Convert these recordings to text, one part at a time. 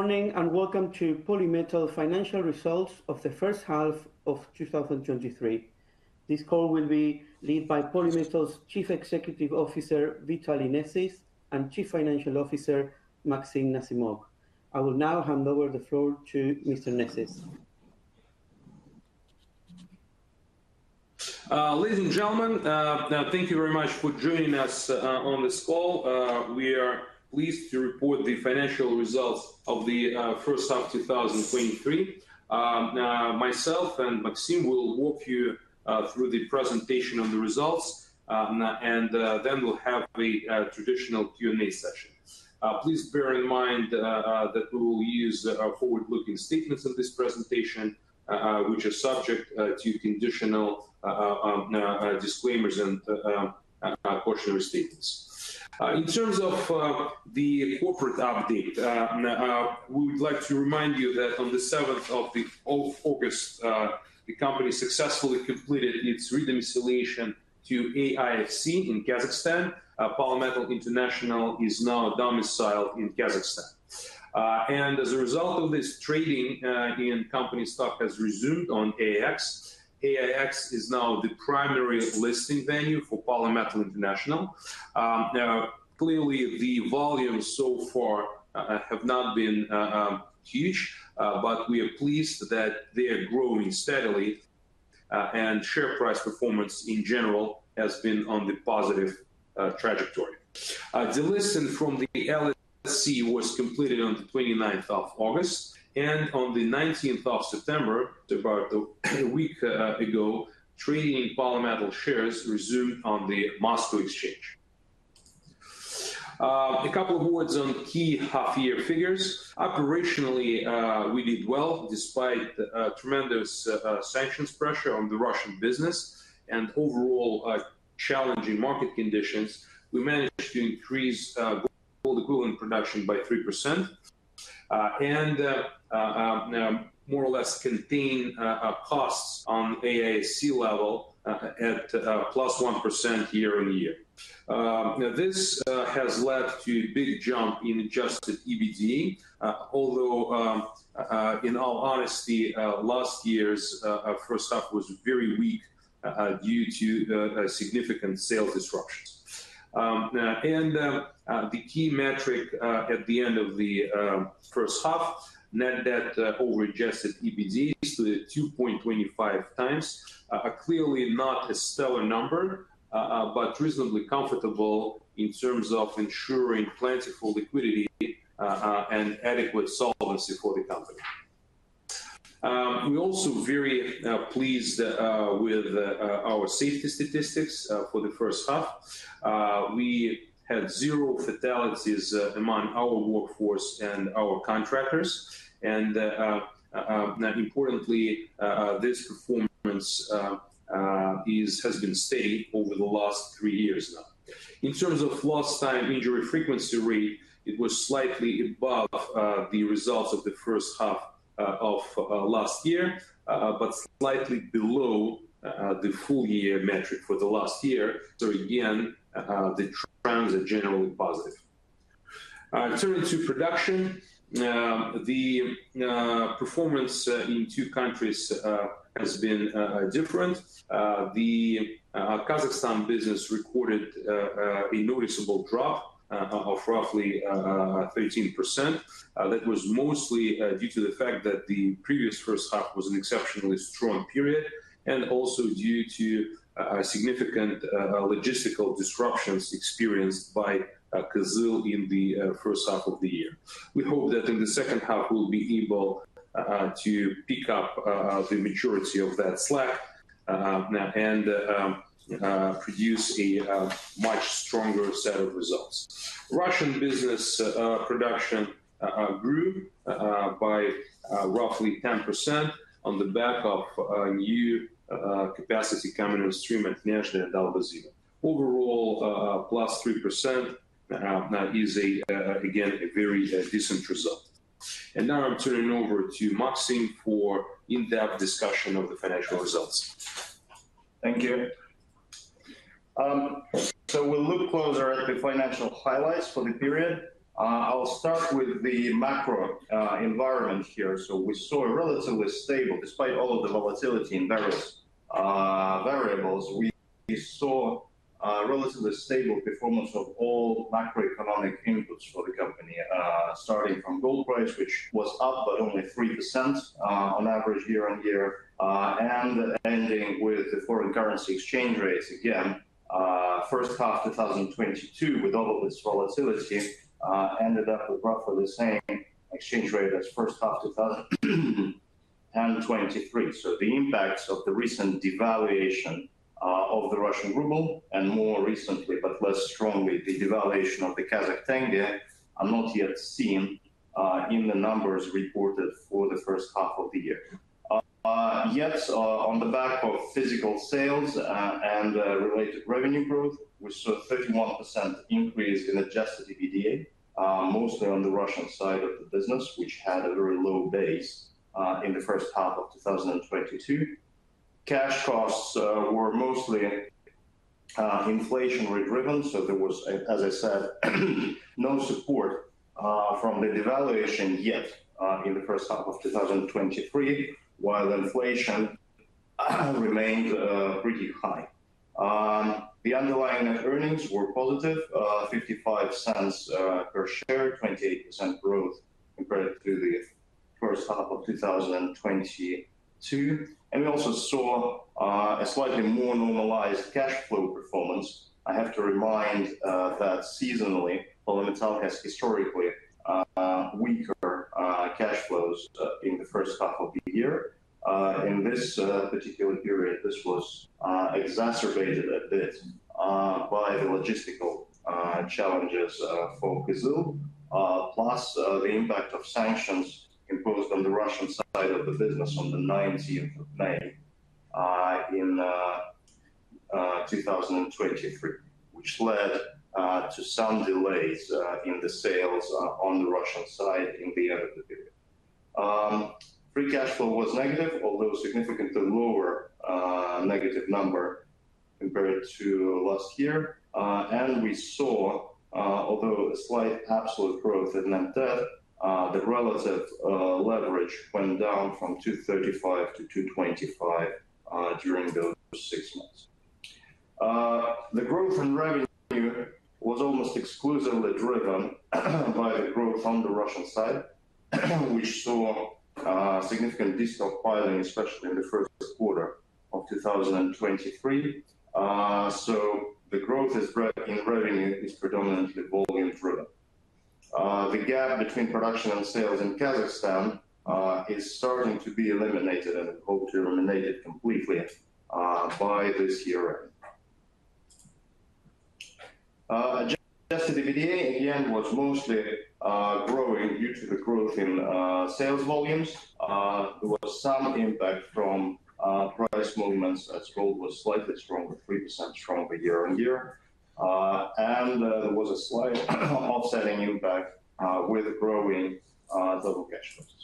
Morning, and welcome to Polymetal Financial Results of the first half of 2023. This call will be led by Polymetal's Chief Executive Officer, Vitaly Nesis, and Chief Financial Officer, Maxim Nazimok. I will now hand over the floor to Mr. Nesis. Ladies and gentlemen, thank you very much for joining us on this call. We are pleased to report the financial results of the first half 2023. Now, myself and Maxim will walk you through the presentation on the results, and then we'll have the traditional Q&A session. Please bear in mind that we will use forward-looking statements in this presentation, which are subject to conditional disclaimers and cautionary statements. In terms of the corporate update, we would like to remind you that on the seventh of August, the company successfully completed its re-domiciliation to AIFC in Kazakhstan. Polymetal International is now domiciled in Kazakhstan. And as a result of this, trading in company stock has resumed on AIX. AIX is now the primary listing venue for Polymetal International. Now, clearly, the volumes so far have not been huge, but we are pleased that they are growing steadily, and share price performance in general has been on the positive trajectory. Delisting from the LSE was completed on the 29th of August, and on the nineteenth of September, about a week ago, trading in Polymetal shares resumed on the Moscow Exchange. A couple of words on key half-year figures. Operationally, we did well, despite tremendous sanctions pressure on the Russian business and overall challenging market conditions. We managed to increase gold equivalent production by 3% and more or less contain costs on AIC level at +1% year-over-year. This has led to a big jump in adjusted EBITDA, although, in all honesty, last year's first half was very weak due to the significant sales disruptions. The key metric at the end of the first half, net debt over adjusted EBITDA, is 2.25x. Clearly not a stellar number, but reasonably comfortable in terms of ensuring plentiful liquidity and adequate solvency for the company. We're also very pleased with our safety statistics for the first half. We had zero fatalities among our workforce and our contractors, and, importantly, this performance has been steady over the last three years now. In terms of lost time injury frequency rate, it was slightly above the results of the first half of last year, but slightly below the full year metric for last year. Again, the trends are generally positive. Turning to production, the performance in two countries has been different. The Kazakhstan business recorded a noticeable drop of roughly 13%. That was mostly due to the fact that the previous first half was an exceptionally strong period, and also due to significant logistical disruptions experienced by KAZ Minerals in the first half of the year. We hope that in the second half, we'll be able to pick up the majority of that slack and produce a much stronger set of results. Russian business production grew by roughly 10% on the back of new capacity coming on stream at Nezhda and Albazino. Overall, +3% is again a very decent result. Now I'm turning over to Maxim for in-depth discussion of the financial results. Thank you. We'll look closer at the financial highlights for the period. I'll start with the macro environment here. We saw a relatively stable... Despite all of the volatility in various variables, we saw relatively stable performance of all macroeconomic inputs for the company, starting from gold price, which was up by only 3% on average year-over-year, and ending with the foreign currency exchange rates. Again, first half 2022, with all of this volatility, ended up with roughly the same exchange rate as first half 2023. The impacts of the recent devaluation of the Russian ruble, and more recently, but less strongly, the devaluation of the Kazakh tenge, are not yet seen in the numbers reported for the first half of the year. Yes, on the back of physical sales and related revenue growth, we saw a 31% increase in Adjusted EBITDA, mostly on the Russian side of the business, which had a very low base in the first half of 2022. Cash costs were mostly inflation-driven, so there was, as I said, no support from the devaluation yet in the first half of 2023, while inflation remained pretty high. The underlying net earnings were positive $0.55 per share, 28% growth compared to the first half of 2022. And we also saw a slightly more normalized cash flow performance. I have to remind that seasonally, Polymetal has historically weaker cash flows in the first half of the year. In this particular period, this was exacerbated a bit by the logistical challenges for Kyzyl, plus the impact of sanctions imposed on the Russian side of the business on the nineteenth of May in 2023, which led to some delays in the sales on the Russian side in the end of the period. Free cash flow was negative, although a significantly lower negative number compared to last year. And we saw, although a slight absolute growth in net debt, the relative leverage went down from 2.35 to 2.25 during those six months. The growth in revenue was almost exclusively driven by the growth on the Russian side, which saw significant de-stockpiling, especially in the first quarter of 2023. The growth in revenue is predominantly volume-driven. The gap between production and sales in Kazakhstan is starting to be eliminated and hope to eliminate it completely by this year end. Adjusted EBITDA in the end was mostly growing due to the growth in sales volumes. There was some impact from price movements as gold was slightly stronger, 3% stronger year-over-year. There was a slight offsetting impact with the growing total cash flows.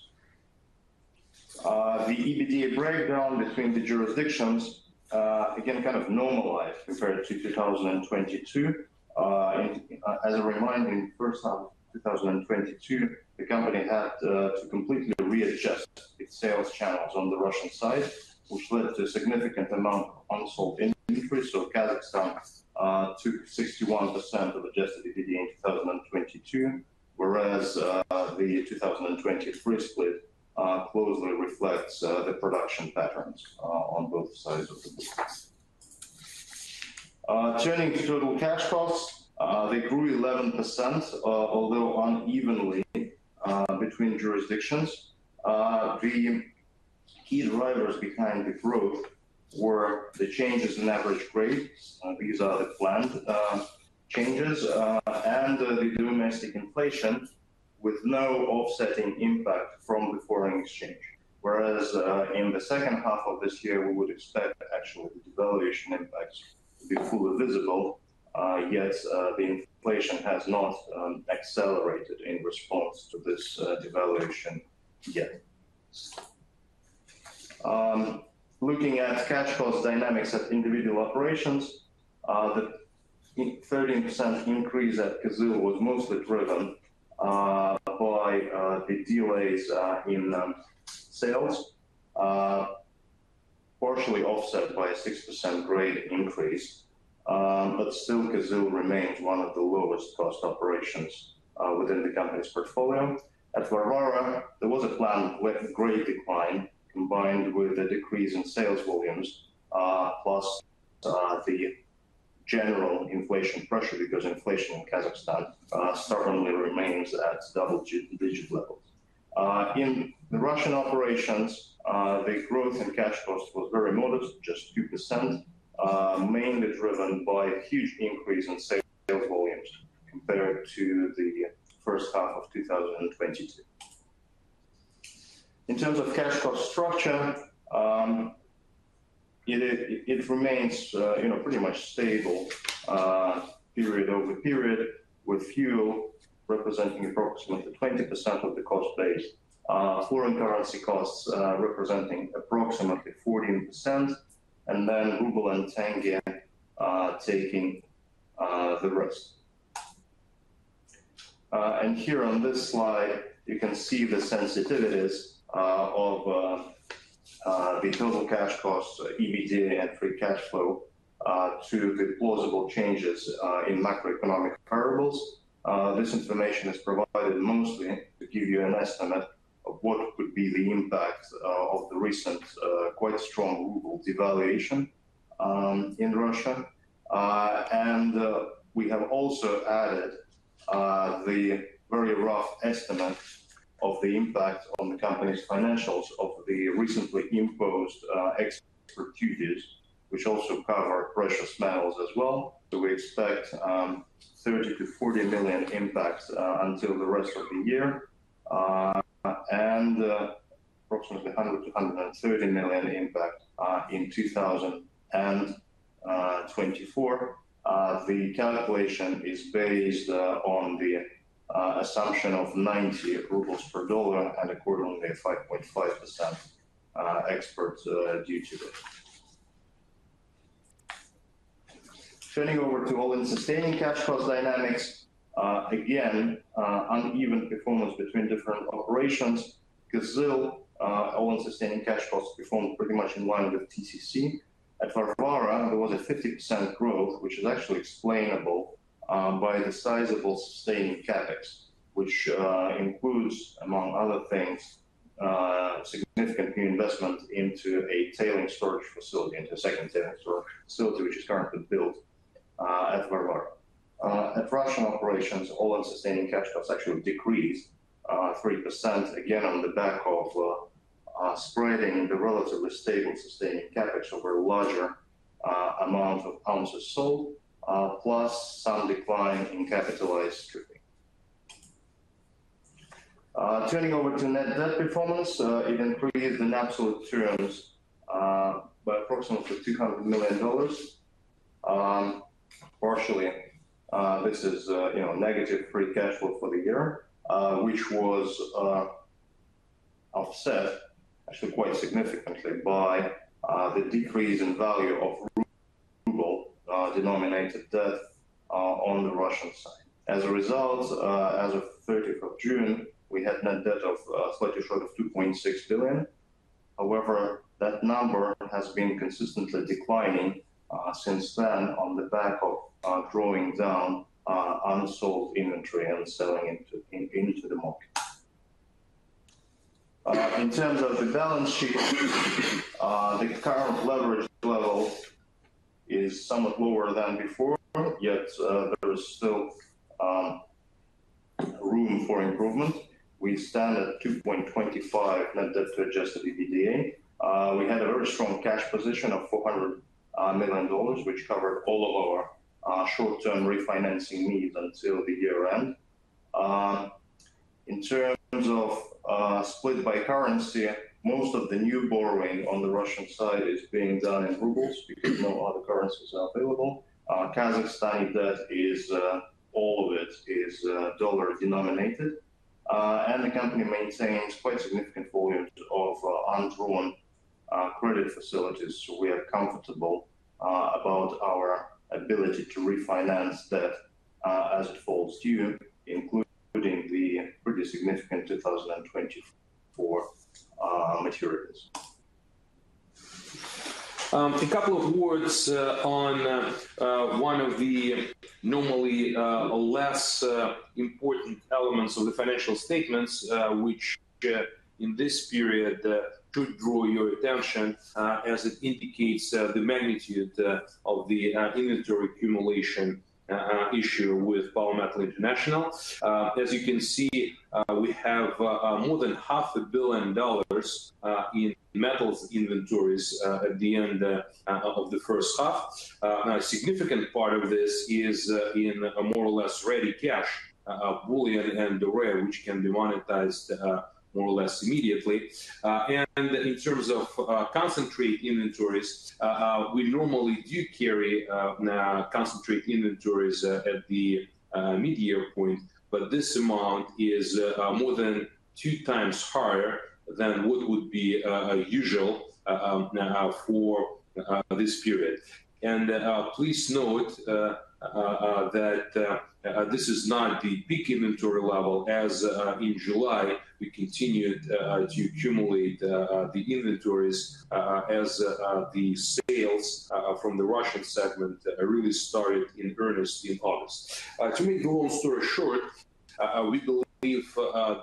The EBITDA breakdown between the jurisdictions again kind of normalized compared to 2022. As a reminder, in the first half of 2022, the company had to completely readjust its sales channels on the Russian side, which led to a significant amount of unsold inventory. Kazakhstan took 61% of adjusted EBITDA in 2022, whereas the 2023 split closely reflects the production patterns on both sides of the business. Turning to total cash costs, they grew 11%, although unevenly between jurisdictions. The key drivers behind this growth were the changes in average grade. These are the planned changes and the domestic inflation with no offsetting impact from the foreign exchange. Whereas in the second half of this year, we would expect the actual devaluation impacts to be fully visible. Yes, the inflation has not accelerated in response to this devaluation yet. Looking at cash cost dynamics at individual operations, the 13% increase at Kyzyl was mostly driven by the delays in sales, partially offset by a 6% grade increase. But still, Kyzyl remains one of the lowest cost operations within the company's portfolio. At Varvara, there was a planned grade decline, combined with a decrease in sales volumes, plus the general inflation pressure, because inflation in Kazakhstan certainly remains at double-digit levels. In the Russian operations, the growth in cash costs was very modest, just 2%, mainly driven by a huge increase in sales volumes compared to the first half of 2022. In terms of cash cost structure, it remains, you know, pretty much stable, period over period, with fuel representing approximately 20% of the cost base, foreign currency costs representing approximately 14%, and then ruble and tenge taking the rest. And here on this slide, you can see the sensitivities of the total cash costs, EBITDA and free cash flow to the plausible changes in macroeconomic variables. This information is provided mostly to give you an estimate of what could be the impact of the recent quite strong ruble devaluation in Russia. And we have also added the very rough estimate of the impact on the company's financials of the recently imposed export duties, which also cover precious metals as well. We expect $30 million-$40 million impacts until the rest of the year, and approximately $100 million-$130 million impact in 2024. The calculation is based on the assumption of 90 rubles per $1 and accordingly, 5.5% export duties. Turning over to all-in sustaining cash flow dynamics, again, uneven performance between different operations. Kyzyl, all-in sustaining cash flows performed pretty much in line with TCC. At Varvara, there was a 50% growth, which is actually explainable by the sizable sustaining CapEx, which includes, among other things, significant new investment into a tailing storage facility, into a second tailing storage facility, which is currently built at Varvara. At Russian operations, all-in sustaining cash flows actually decreased 3%, again, on the back of spreading the relatively stable sustaining CapEx over a larger amount of ounces sold, plus some decline in capitalized stripping. Turning over to net debt performance, it increased in absolute terms by approximately $200 million. Partially, this is, you know, negative free cash flow for the year, which was offset actually quite significantly by the decrease in value of ruble denominated debt on the Russian side. As a result, as of 30th of June, we had net debt of slightly short of $2.6 billion. However, that number has been consistently declining since then, on the back of drawing down unsold inventory and selling it into the market. In terms of the balance sheet, the current leverage level is somewhat lower than before, yet there is still room for improvement. We stand at 2.25 net debt to adjusted EBITDA. We had a very strong cash position of $400 million, which covered all of our short-term refinancing needs until the year end. In terms of split by currency, most of the new borrowing on the Russian side is being done in rubles, because no other currencies are available. Kazakhstan debt is all of it is dollar-denominated. The company maintains quite significant volumes of undrawn credit facilities, so we are comfortable about our ability to refinance debt as it falls due, including the pretty significant 2024 maturities. A couple of words on one of the normally less important elements of the financial statements, which in this period should draw your attention, as it indicates the magnitude of the inventory accumulation issue with Polymetal International. As you can see, we have more than $500 million in metals inventories at the end of the first half. A significant part of this is in a more or less ready cash bullion and ore, which can be monetized more or less immediately. And in terms of concentrate inventories, we normally do carry concentrate inventories at the mid-year point, but this amount is more than two times higher than what would be usual for this period. Please note that this is not the peak inventory level as in July, we continued to accumulate the inventories as the sales from the Russian segment really started in earnest in August. To make the long story short, we believe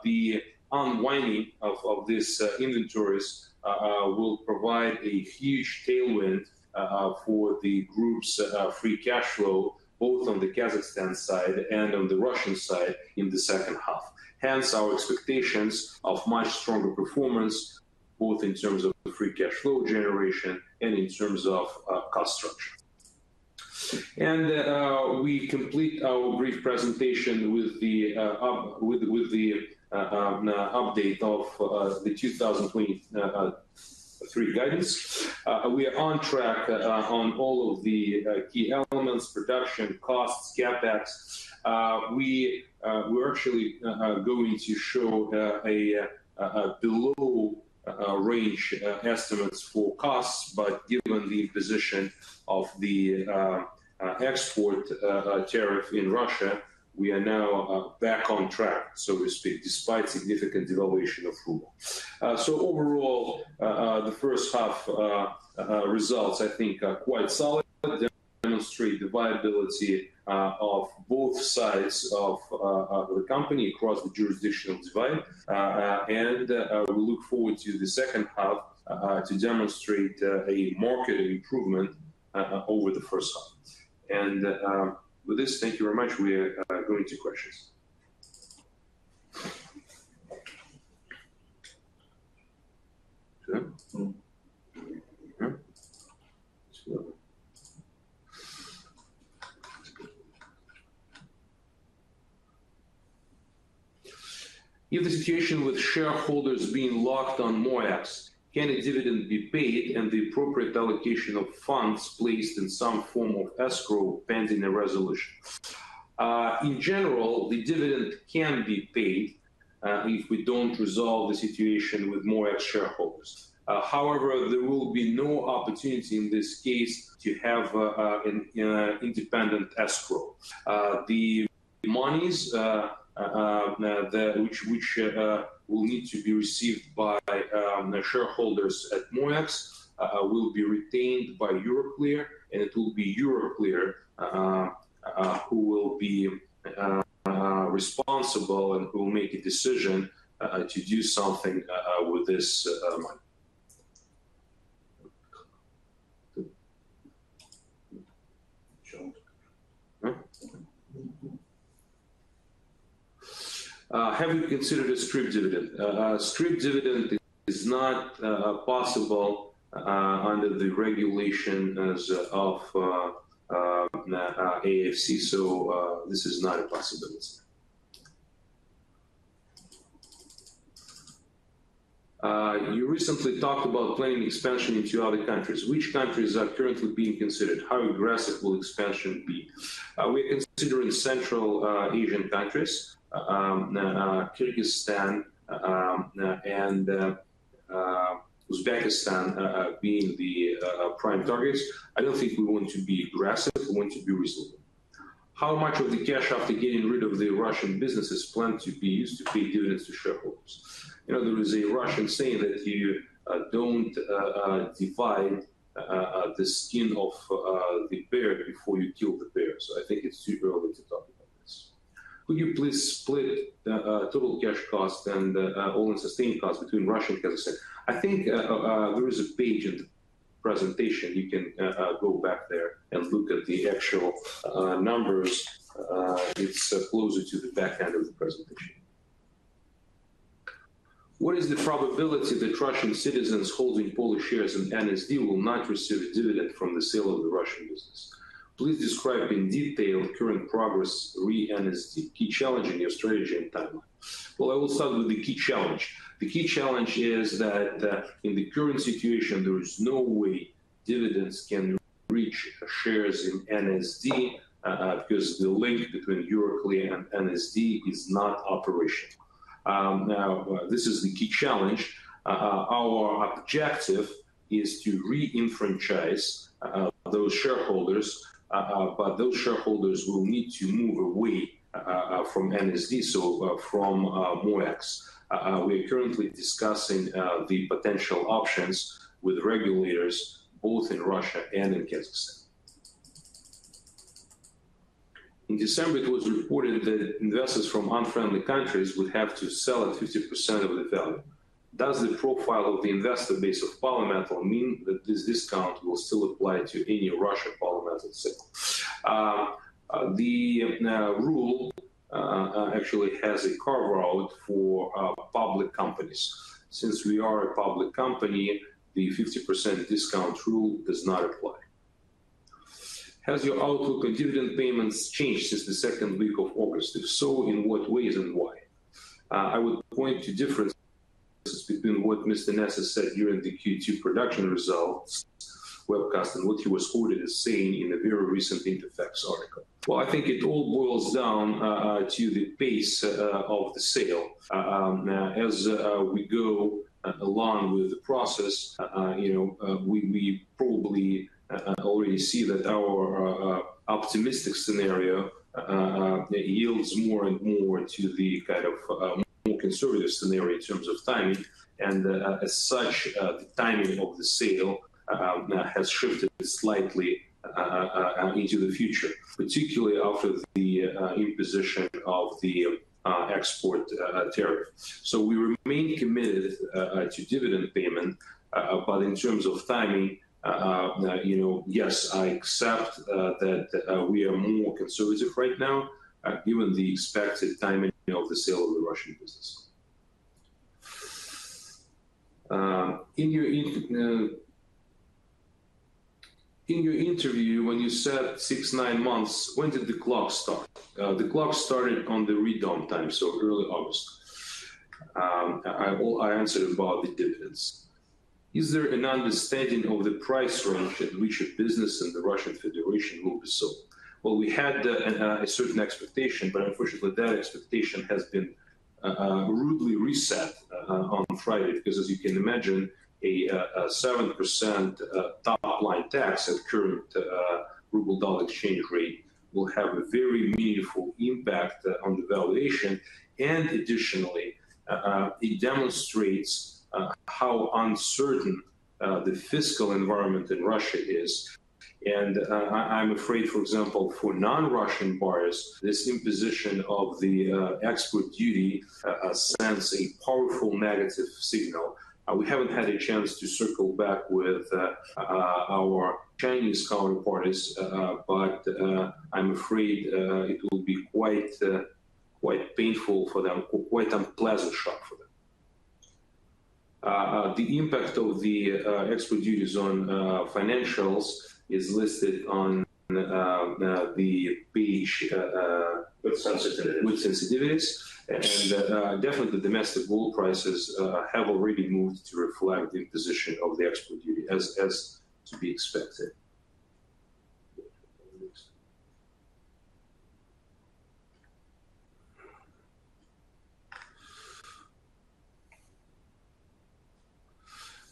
the unwinding of this inventories will provide a huge tailwind for the group's free cash flow, both on the Kazakhstan side and on the Russian side in the second half. Hence, our expectations of much stronger performance, both in terms of the free cash flow generation and in terms of cost structure. We complete our brief presentation with the update of the 2023 guidance. We are on track on all of the key elements, production, costs, CapEx. We're actually going to show a below-range estimates for costs, but given the position of the export tariff in Russia, we are now back on track, so to speak, despite significant devaluation of ruble. Overall, the first half results, I think, are quite solid. They demonstrate the viability of both sides of the company across the jurisdictional divide. We look forward to the second half to demonstrate a market improvement over the first half. With this, thank you very much. We are going to questions. In the situation with shareholders being locked on MOEX, can a dividend be paid and the appropriate allocation of funds placed in some form of escrow pending a resolution? In general, the dividend can be paid if we don't resolve the situation with MOEX shareholders. However, there will be no opportunity in this case to have an independent escrow. The monies which will need to be received by the shareholders at MOEX will be retained by Euroclear, and it will be Euroclear who will be responsible and who will make a decision to do something with this money. Have you considered a strip dividend? A strip dividend is not possible under the regulations of AIFC, so this is not a possibility. You recently talked about planning expansion into other countries. Which countries are currently being considered? How aggressive will expansion be? We're considering Central Asian countries, Kyrgyzstan, and Uzbekistan being the prime targets. I don't think we're going to be aggressive. We're going to be reasonable. How much of the cash after getting rid of the Russian businesses plan to be used to pay dividends to shareholders? You know, there is a Russian saying that you don't divide the skin off the bear before you kill the bear, so I think it's too early to talk about this. Will you please split total cash costs and all-in sustained costs between Russia and Kazakhstan? I think there is a page in the presentation. You can go back there and look at the actual numbers. It's closer to the back end of the presentation. What is the probability that Russian citizens holding Poly shares in NSD will not receive dividend from the sale of the Russian business? Please describe in detail current progress re NSD, key challenge in your strategy and timeline. Well, I will start with the key challenge. The key challenge is that, in the current situation, there is no way dividends can reach shares in NSD, because the link between Euroclear and NSD is not operational. This is the key challenge. Our objective is to re-enfranchise those shareholders, but those shareholders will need to move away from NSD, from MOEX. We are currently discussing the potential options with regulators, both in Russia and in Kazakhstan. In December, it was reported that investors from unfriendly countries would have to sell at 50% of the value. Does the profile of the investor base of Polymetal mean that this discount will still apply to any Russia Polymetal sale? The rule actually has a carve-out for public companies. Since we are a public company, the 50% discount rule does not apply. Has your outlook on dividend payments changed since the second week of August? If so, in what ways and why? I would point to differences between what Mr. Nesis said during the Q2 production results webcast and what he was quoted as saying in a very recent Interfax article. Well, I think it all boils down to the pace of the sale. As we go along with the process, you know, we probably already see that our optimistic scenario yields more and more to the kind of more conservative scenario in terms of timing. And as such, the timing of the sale has shifted slightly into the future, particularly after the imposition of the export tariff. So we remain committed to dividend payment. But in terms of timing, you know, yes, I accept that we are more conservative right now, given the expected timing of the sale of the Russian business. In your interview, when you said six to nine months, when did the clock start? The clock started on the re-domiciliation time, so early August. I answered about the dividends. Is there an understanding of the price range at which your business in the Russian Federation moves so? Well, we had a certain expectation, but unfortunately, that expectation has been rudely reset on Friday, because as you can imagine, a 7% top-line tax at current ruble-dollar exchange rate will have a very meaningful impact on the valuation. And additionally, it demonstrates how uncertain the fiscal environment in Russia is. And, I'm afraid, for example, for non-Russian buyers, this imposition of the export duty sends a powerful negative signal. We haven't had a chance to circle back with our Chinese counterparties, but I'm afraid it will be quite, quite painful for them, quite unpleasant shock for them. The impact of the export duties on financials is listed on the page with sensitivities. With sensitivities. Yes. Definitely, the domestic gold prices have already moved to reflect the imposition of the export duty, as to be expected.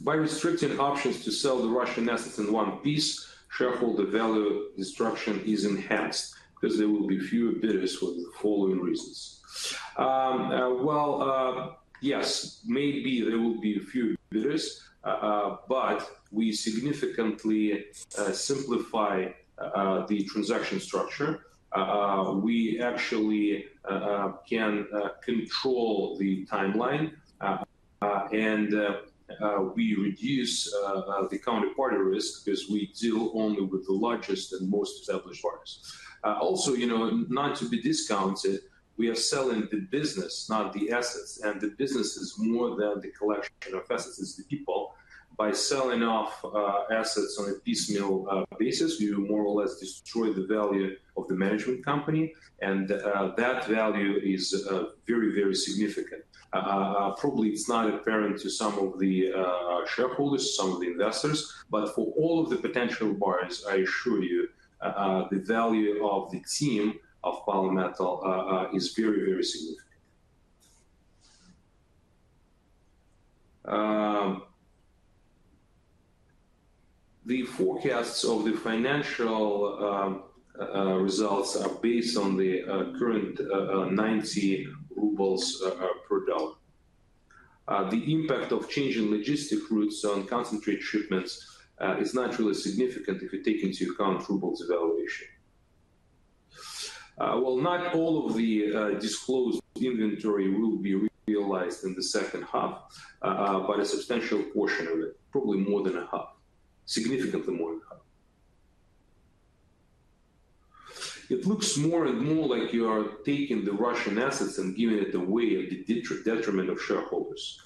By restricting options to sell the Russian assets in one piece, shareholder value destruction is enhanced because there will be fewer bidders for the following reasons. Well, yes, maybe there will be a few bidders, but we significantly simplify the transaction structure. We actually can control the timeline, and we reduce the counterparty risk because we deal only with the largest and most established partners. Also, you know, not to be discounted, we are selling the business, not the assets, and the business is more than the collection of assets, it's the people. By selling off assets on a piecemeal basis, we more or less destroy the value of the management company, and that value is very, very significant. Probably it's not apparent to some of the shareholders, some of the investors, but for all of the potential buyers, I assure you, the value of the team of Polymetal is very, very significant. The forecasts of the financial results are based on the current 90 rubles per $1. The impact of changing logistic routes on concentrate shipments is not really significant if you take into account rubles valuation. Well, not all of the disclosed inventory will be realized in the second half, but a substantial portion of it, probably more than half, significantly more than half. It looks more and more like you are taking the Russian assets and giving it away at the detriment of shareholders.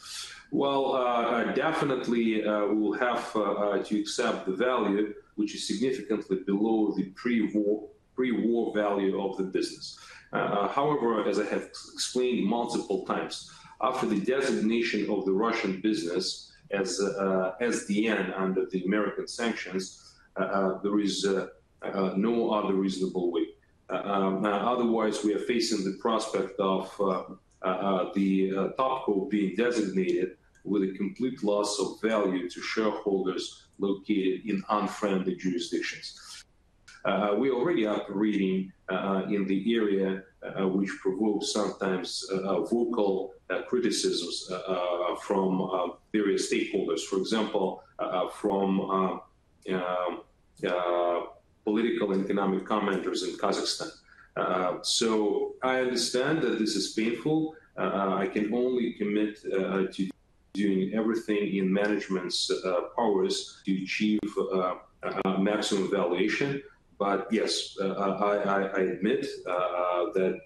Well, definitely, we will have to accept the value, which is significantly below the pre-war, pre-war value of the business. However, as I have explained multiple times, after the designation of the Russian business as SDN under the American sanctions, there is no other reasonable way. Otherwise, we are facing the prospect of the topco being designated with a complete loss of value to shareholders located in unfriendly jurisdictions. We already are operating in the area which provokes sometimes vocal criticisms from political and economic commenters in Kazakhstan. So I understand that this is painful. I can only commit to doing everything in management's powers to achieve a maximum valuation. But yes, I admit that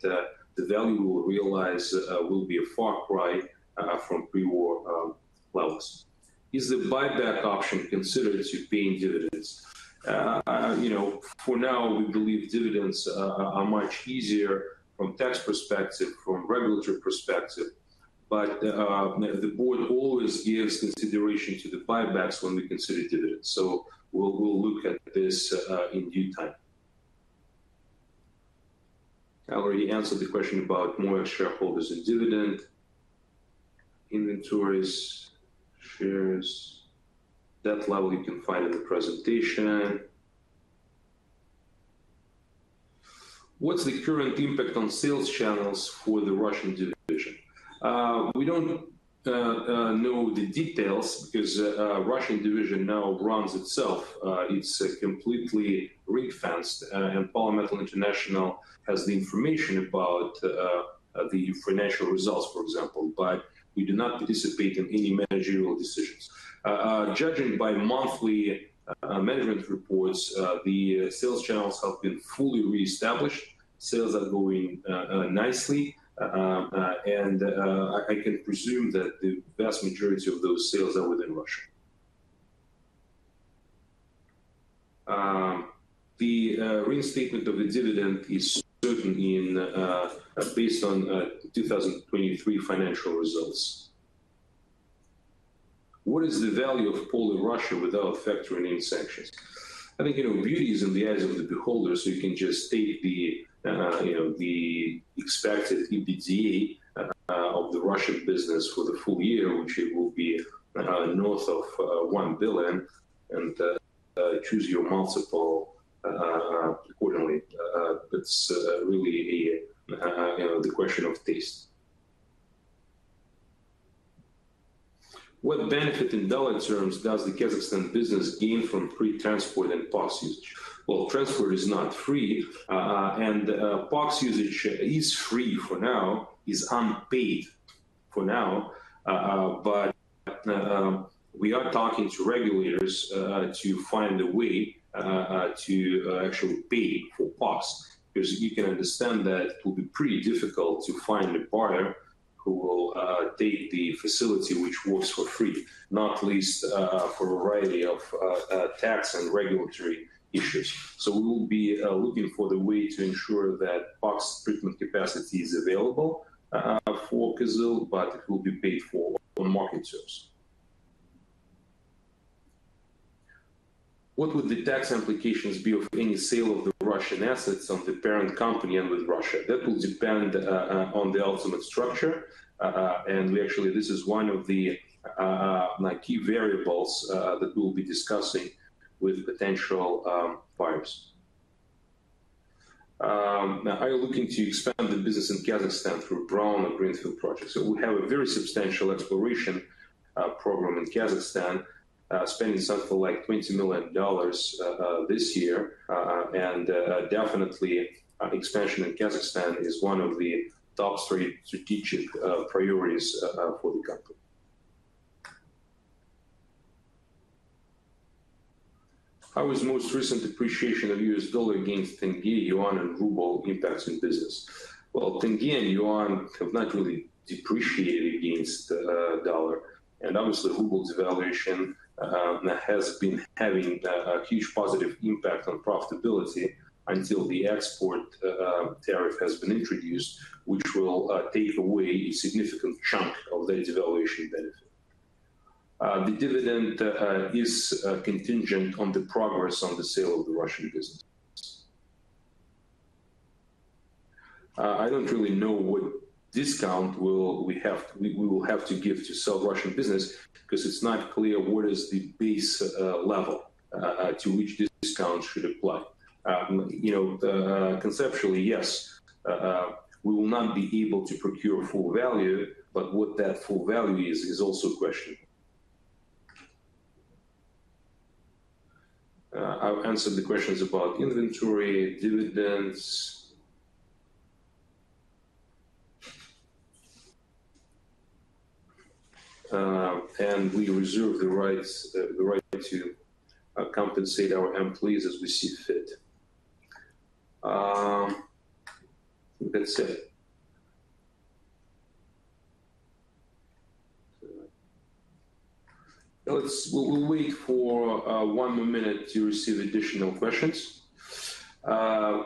the value we will realize will be a far cry from pre-war levels. Is the buyback option considered to paying dividends? You know, for now, we believe dividends are much easier from tax perspective, from regulatory perspective. But, the board always gives consideration to the buybacks when we consider dividends. So we'll, we'll look at this in due time. I already answered the question about more shareholders and dividend. Inventories, shares, debt level, you can find in the presentation. What's the current impact on sales channels for the Russian division? We don't know the details because Russian division now runs itself. It's completely ring-fenced, and Polymetal International has the information about the financial results, for example, but we do not participate in any managerial decisions. Judging by monthly management reports, the sales channels have been fully reestablished. Sales are going nicely, and I can presume that the vast majority of those sales are within Russia. The reinstatement of thedividend is certain in based on 2023 financial results. What is the value of all in Russia without factoring in sanctions? I think, you know, beauty is in the eyes of the beholder, so you can just take the, you know, the expected EBITDA of the Russian business for the full year, which it will be north of $1 billion, and choose your multiple accordingly. That's really, you know, the question of taste. What benefit in dollar terms does the Kazakhstan business gain from free transport and POX usage? Well, transport is not free, and POX usage is free for now, is unpaid for now. But we are talking to regulators to find a way to actually pay for POX, because you can understand that it will be pretty difficult to find a partner who will take the facility which works for free, not least for a variety of tax and regulatory issues. We will be looking for the way to ensure that POX treatment capacity is available for Kazal, but it will be paid for on market terms. What would the tax implications be of any sale of the Russian assets of the parent company and with Russia? That will depend on the ultimate structure, and we actually, this is one of the key variables that we'll be discussing with potential buyers. Are you looking to expand the business in Kazakhstan through brown- and greenfield projects? We have a very substantial exploration program in Kazakhstan, spending something like $20 million this year. Definitely, expansion in Kazakhstan is one of the top strategic priorities for the company. How is the most recent depreciation of the U.S. dollar against tenge, yuan, and ruble impacting business? Well, tenge and yuan have not really depreciated against the U.S. dollar, and obviously, ruble's devaluation has been having a huge positive impact on profitability until the export tariff has been introduced, which will take away a significant chunk of the devaluation benefit. The dividend is contingent on the progress on the sale of the Russian business. I don't really know what discount we will have to give to sell Russian business, 'cause it's not clear what is the base level to which discount should apply. You know, conceptually, yes, we will not be able to procure full value, but what that full value is, is also a question. I've answered the questions about inventory, dividends. We reserve the right to compensate our employees as we see fit. That's it. Let's wait for one more minute to receive additional questions.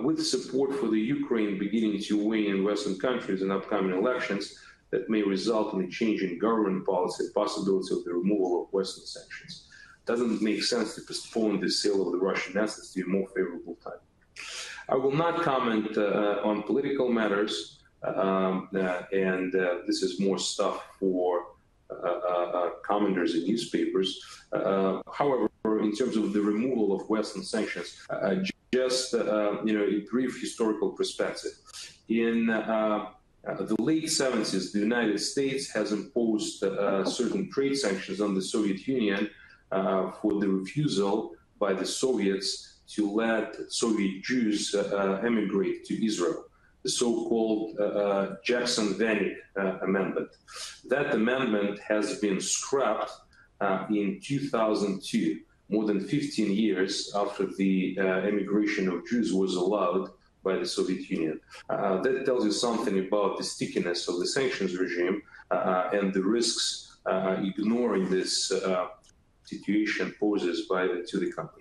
With support for the Ukraine beginning to wane in Western countries in upcoming elections, that may result in a change in government policy, possibility of the removal of Western sanctions. Doesn't it make sense to postpone the sale of the Russian assets to a more favorable time? I will not comment on political matters, and this is more stuff for commenters in newspapers. However, in terms of the removal of Western sanctions, just, you know, a brief historical perspective. In the late 1970s, the United States has imposed certain trade sanctions on the Soviet Union for the refusal by the Soviets to let Soviet Jews emigrate to Israel, the so-called Jackson-Vanik Amendment. That amendment has been scrapped in 2002, more than 15 years after the immigration of Jews was allowed by the Soviet Union. That tells you something about the stickiness of the sanctions regime and the risks ignoring this situation poses to the company.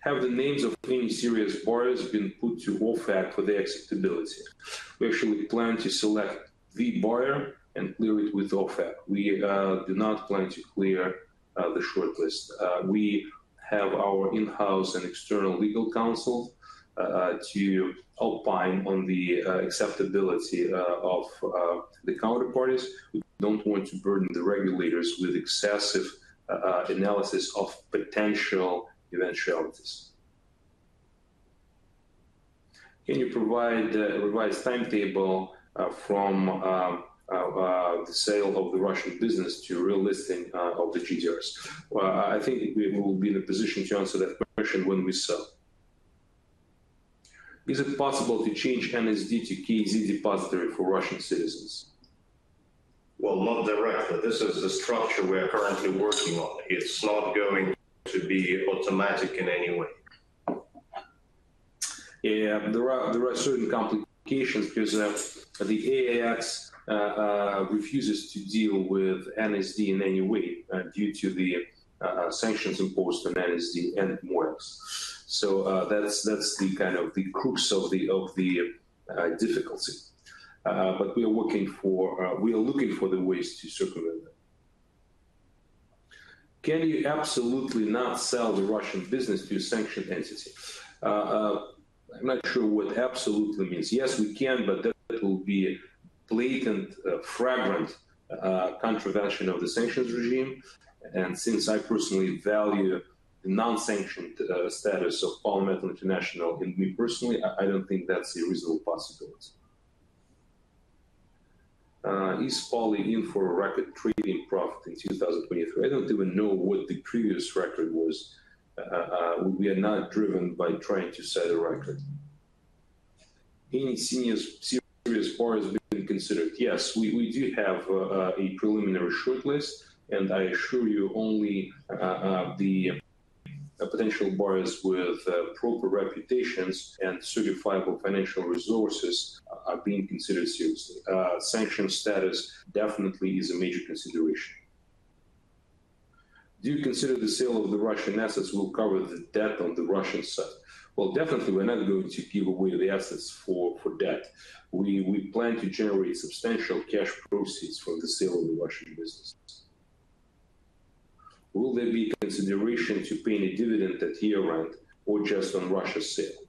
Have the names of any serious buyers been put to OFAC for their acceptability? We actually plan to select the buyer and clear it with OFAC. We do not plan to clear the shortlist. We have our in-house and external legal counsel to opine on the acceptability of the counterparties. We don't want to burden the regulators with excessive analysis of potential eventualities. Can you provide a timetable from the sale of the Russian business to real listing of the GDRs? Well, I think we will be in a position to answer that question when we sell. Is it possible to change NSD to KZ depository for Russian citizens? Not directly. This is a structure we are currently working on. It's not going to be automatic in any way. There are certain complications because the AIX refuses to deal with NSD in any way due to the sanctions imposed on NSD and more else. That is the crux of the difficulty. We are looking for ways to circumvent that. Can you absolutely not sell the Russian business to a sanctioned entity? I'm not sure what absolutely means. Yes, we can, but that will be a blatant, flagrant contravention of the sanctions regime. Since I personally value the non-sanction status of Polymetal International, and me personally, I don't think that's a reasonable possibility. Is Polymetal in for a record trading profit in 2023? I don't even know what the previous record was. We are not driven by trying to set a record. Any serious, serious buyers being considered? Yes, we do have a preliminary shortlist, and I assure you only the potential buyers with proper reputations and certifiable financial resources are being considered seriously. Sanction status definitely is a major consideration. Do you consider the sale of the Russian assets will cover the debt on the Russian side? Well, definitely, we're not going to give away the assets for debt. We plan to generate substantial cash proceeds from the sale of the Russian business. Will there be consideration to paying a dividend at year-end or just on Russia's sale?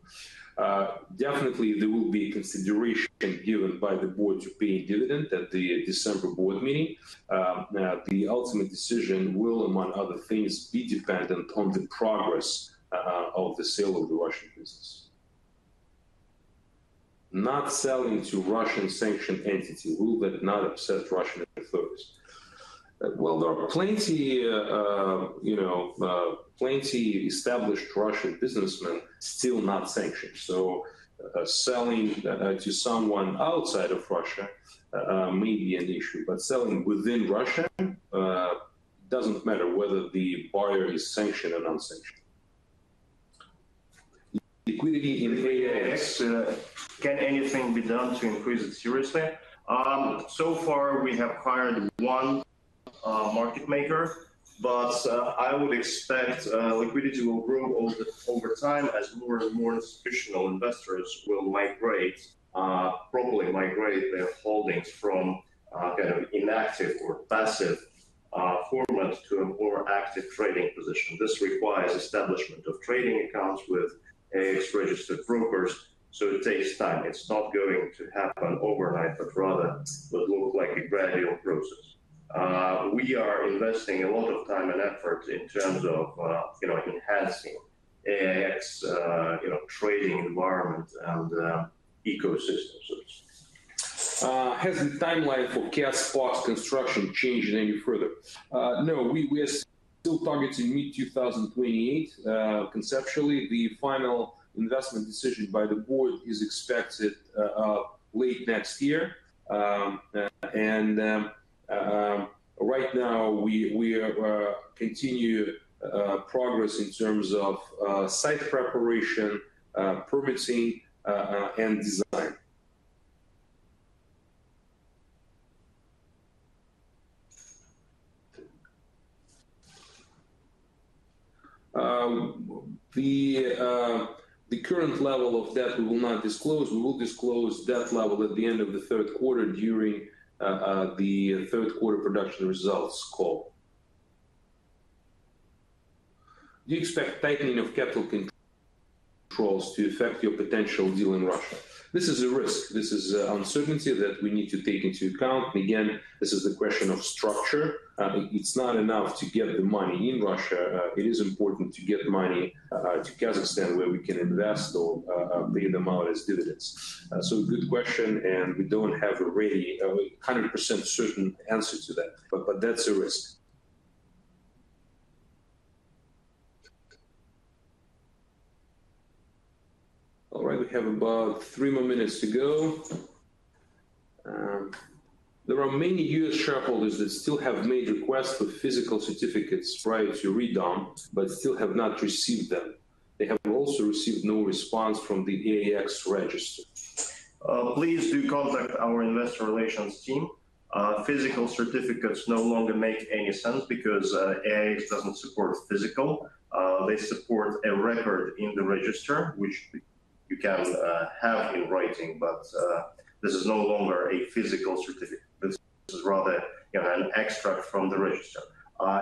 Definitely there will be consideration given by the board to paying a dividend at the December board meeting. The ultimate decision will, among other things, be dependent on the progress of the sale of the Russian business. Not selling to Russian sanctioned entity, will that not upset Russian authorities? Well, there are plenty, you know, plenty established Russian businessmen still not sanctioned. Selling to someone outside of Russia may be an issue, but selling within Russia doesn't matter whether the buyer is sanctioned or unsanctioned. Liquidity in AIX, can anything be done to increase it seriously? So far we have hired one market maker, but I would expect liquidity to grow over time as more and more institutional investors will migrate, probably migrate their holdings from kind of inactive or passive formats to a more active trading position. This requires establishment of trading accounts with AIX-registered brokers, so it takes time. It's not going to happen overnight, but rather will look like a gradual process. We are investing a lot of time and effort in terms of, you know, enhancing AIX, you know, trading environment and ecosystem. Has the timeline for KAZ Minerals construction changed any further? No, we are still targeting mid-2028. Conceptually, the final investment decision by the board is expected late next year. Right now we have continued progress in terms of site preparation, permitting, and design. The current level of debt we will not disclose. We will disclose debt level at the end of the third quarter during the third quarter production results call. Do you expect tightening of capital controls to affect your potential deal in Russia? This is a risk. This is an uncertainty that we need to take into account. Again, this is a question of structure. It's not enough to get the money in Russia. It is important to get money to Kazakhstan where we can invest or pay them out as dividends. Good question, and we don't have a really 100% certain answer to that, but that's a risk. All right, we have about three more minutes to go. There are many U.S. shareholders that still have made requests for physical certificates prior to re-domiciliation, but still have not received them. They have also received no response from the AIX register. Please do contact our investor relations team. Physical certificates no longer make any sense because AIX doesn't support physical. They support a record in the register, which you can have in writing, but this is no longer a physical certificate. This is rather, you know, an extract from the register.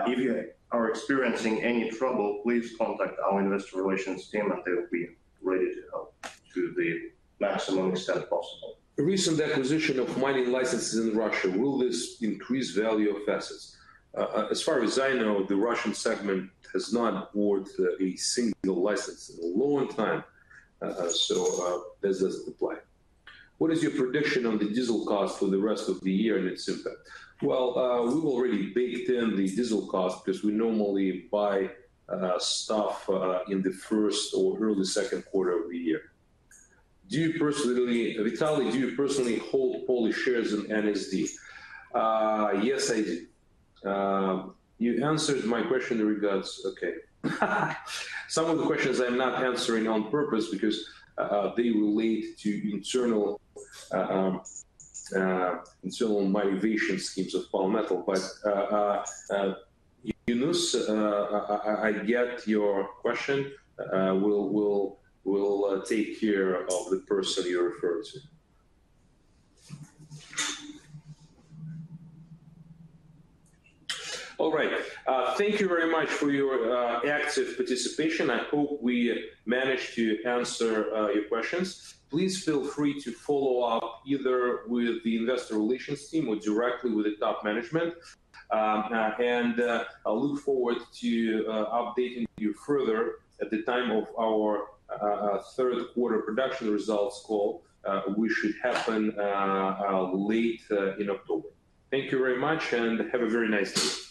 If you are experiencing any trouble, please contact our investor relations team, and they will be ready to help to the maximum extent possible. The recent acquisition of mining licenses in Russia, will this increase value of assets? As far as I know, the Russian segment has not awarded a single license in a long time, so this doesn't apply. What is your prediction on the diesel cost for the rest of the year and its impact? Well, we've already baked in the diesel cost because we normally buy stuff in the first or early second quarter of the year. Do you personally, Vitaly, do you personally hold all the shares in NSD? Yes, I do. You answered my question in regards... Okay. Some of the questions I'm not answering on purpose because they relate to internal motivation schemes of Polymetal. But, Yunus, I get your question. We'll take care of the person you refer to. All right. Thank you very much for your active participation. I hope we managed to answer your questions. Please feel free to follow up either with the investor relations team or directly with the top management. I look forward to updating you further at the time of our third quarter production results call, which should happen late in October. Thank you very much, and have a very nice day.